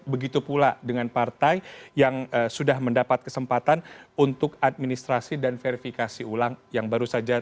begitu pula dengan partai yang sudah mendapat kesempatan untuk administrasi dan verifikasi ulang yang baru saja terjadi